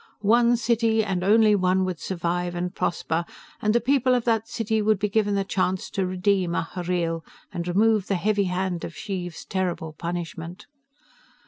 One city, and only one, would survive and prosper, and the people of that city would be given the chance to redeem Ahhreel, and remove the heavy hand of Xheev's terrible punishment.